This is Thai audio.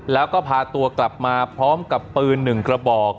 แล้วก็พาตัวกลับมาพร้อมกับปืน๑กระบอก